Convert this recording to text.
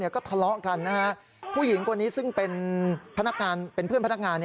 ก็ทะเลาะกันผู้หญิงคนนี้ซึ่งเป็นเพื่อนพนักงาน